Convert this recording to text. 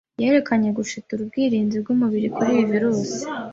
yerekanye gushitura ubwirinzi bw'umubiri kuri iyi virusi